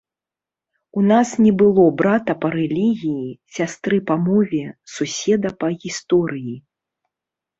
У нас не было брата па рэлігіі, сястры па мове, суседа па гісторыі.